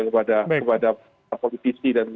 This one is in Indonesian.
kepada politisi dan